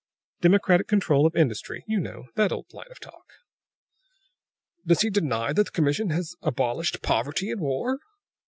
"Democratic control of industry. You know that old line of talk." "Does he deny that the commission has abolished poverty and war?"